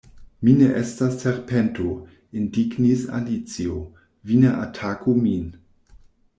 "Mi ne estas serpento," indignis Alicio, "vi ne ataku min!"